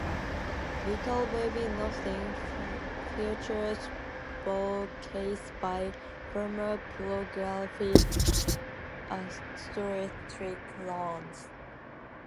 "Little Baby Nothing" features vocals by former pornographic actress Traci Lords.